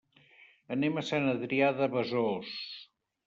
Anem a Sant Adrià de Besòs.